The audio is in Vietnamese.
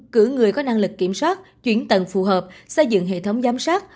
cử người có năng lực kiểm soát chuyển tầng phù hợp xây dựng hệ thống giám sát